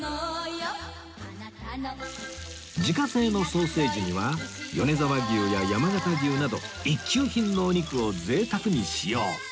自家製のソーセージには米沢牛や山形牛など一級品のお肉を贅沢に使用